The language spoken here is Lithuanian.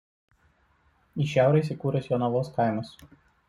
Į šiaurę įsikūręs Jonavos kaimas.